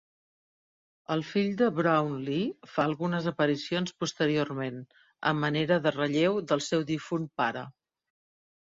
El fill de Brownlee fa algunes aparicions posteriorment, a manera de relleu del seu difunt pare.